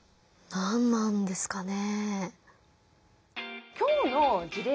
何なんですかね。